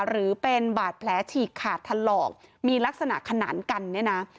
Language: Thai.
หรือเป็นบาดแผลฉีกขาดถลอกมีลักษณะขนานกันเนี่ยนะ